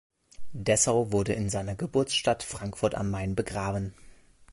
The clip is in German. Dessau wurde in seiner Geburtsstadt Frankfurt am Main begraben.